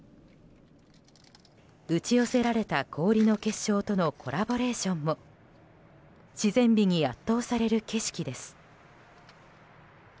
打ち寄せられた氷の結晶とのコラボレーションも自然美に圧倒される景色です。